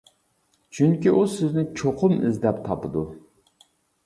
چۈنكى ئۇ سىزنى چوقۇم ئىزدەپ تاپىدۇ.